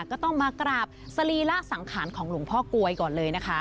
ก็ต้องมากราบสรีระสังขารของหลวงพ่อกลวยก่อนเลยนะคะ